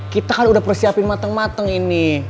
kita kan udah persiapin mateng mateng ini